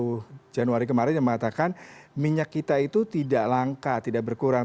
yang tiga puluh januari kemarin yang mengatakan minyak kita itu tidak langka tidak berkurang